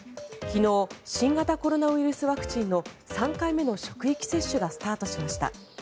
昨日新型コロナウイルスワクチンの３回目の職域接種がスタートしました。